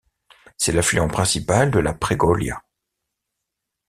C'est l'affluent principal de la Pregolia.